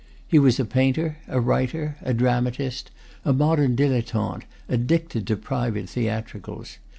He was a painter, a writer, a dramatist, a modern dilettante, addicted to private theatricals.